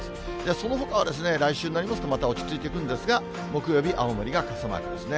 そのほかは、来週になりますと、また落ち着いてくるんですが、木曜日、青森が傘マークですね。